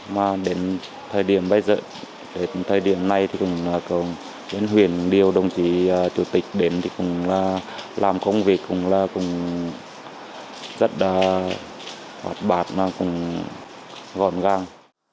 mà đến thời điểm bây giờ đến thời điểm này thì cũng đến huyện điêu đồng chí chủ tịch đến thì cũng làm công việc cũng rất hoạt bạc cũng gọn gàng